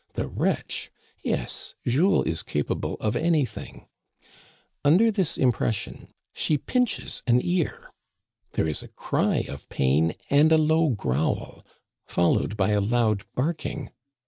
The wretch ! Yes, Jules is capable of anything ! Under this impression she pinches an ear. There is a cry of pain and a low growl, followed by a loud barking.